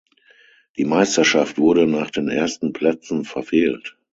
Die Meisterschaft wurde nach den ersten Plätzen verfehlt.